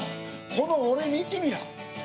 この俺見てみな。